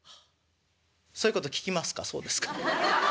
「そういうこと聞きますかそうですか」。